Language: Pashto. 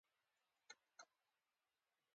کړه مسحه مې اشنا پۀ هر اندام پۀ دواړه لاسه